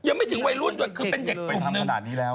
ยังไม่ถึงวัยรุ่นจริงคือเป็นเด็กกลุ่มนึง